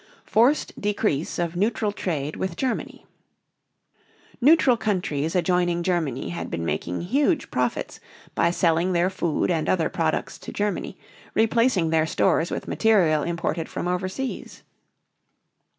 FORCED DECREASE OF NEUTRAL TRADE WITH GERMANY. Neutral countries adjoining Germany had been making huge profits by selling their food and other products to Germany, replacing their stores with material imported from over seas.